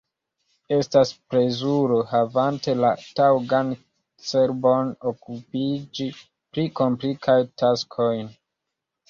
Estas plezuro – havante la taŭgan cerbon – okupiĝi pri komplikaj taskoj.